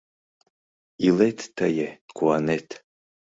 Илет тые, куанет